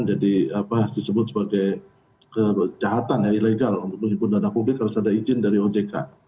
jadi disebut sebagai kejahatan ya ilegal untuk menghimpun dana publik harus ada izin dari ojk